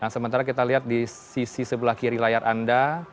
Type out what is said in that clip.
yang sementara kita lihat disisi sebelah kiri layar anda